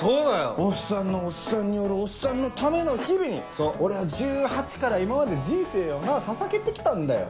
おっさんのおっさんによるおっさんのための日々に俺は１８から今まで人生をなささげて来たんだよ。よっ！